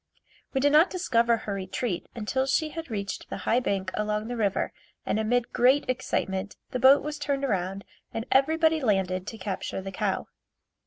We did not discover her retreat until she had reached the high bank along the river and amid great excitement the boat was turned around and everybody landed to capture the cow.